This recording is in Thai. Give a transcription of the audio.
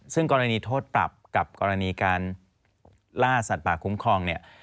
ซึ่งกรณีโทษปรับกับกรณีการล่าสัตว์ป่าคุ้มครองเนี่ย